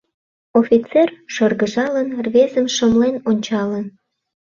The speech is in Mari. — Офицер, шыргыжалын, рвезым шымлен ончалын.